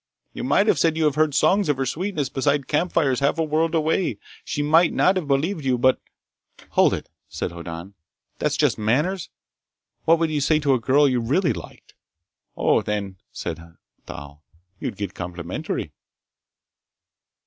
You might have said you heard songs of her sweetness beside campfires half a world away. She might not have believed you, but—" "Hold it!" said Hoddan. "That's just manners? What would you say to a girl you really liked?" "Oh, then," said Thal, "you'd get complimentary!"